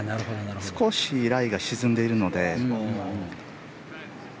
少しライが沈んでいるので。